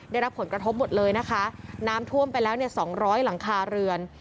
ได้รับผลกระทบหมดเลยนะคะน้ำท่วมไปแล้วเนี่ยสองร้อยหลังคาเรือน